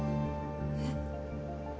えっ？